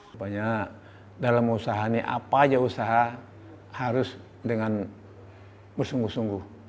supaya dalam usaha ini apa aja usaha harus dengan bersungguh sungguh